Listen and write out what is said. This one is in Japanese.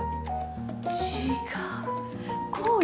違う。